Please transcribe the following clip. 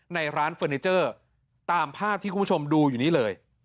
ในร้านเฟอร์นิเจอร์ตามภาพที่คุณผู้ชมดูอยู่นี้เลย